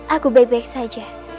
aku baik baik saja